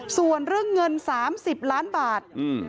ส่วนเรื่องเงิน๓๐ล้านบาท